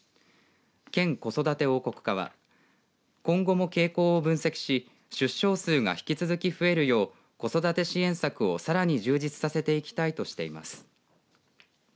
県子育て王国課は今後も傾向を分析し出生数が引き続き増えるよう子育て支援策をさらに充実させていきたいとしています。